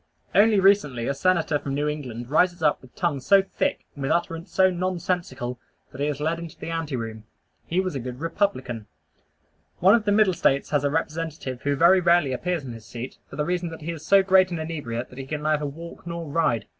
Only recently a Senator from New England rises up with tongue so thick, and with utterance so nonsensical, that he is led into the anteroom. He was a good "Republican." One of the Middle States has a representative who very rarely appears in his seat, for the reason that he is so great an inebriate that he can neither walk nor ride.